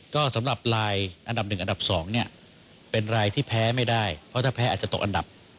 ก็สำหรับรายอันดับ๑อันดับ๒เนี่ยเป็นรายที่แพ้ไม่ได้เพราะถ้าแพ้อาจจะตกอันดับ